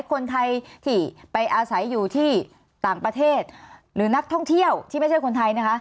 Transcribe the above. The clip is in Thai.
คนไทยที่ไปอาศัยอยู่ที่ต่างประเทศหรือนักท่องเที่ยวที่ไม่ใช่คนไทยนะคะ